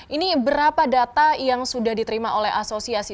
ini berapa data yang sudah diterima oleh asosiasi